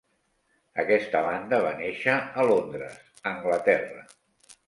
Aquesta banda va néixer a Londres, Anglaterra.